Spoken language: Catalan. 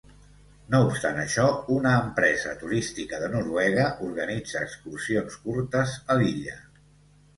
No obstant això, una empresa turística de Noruega organitza excursions curtes a l'illa.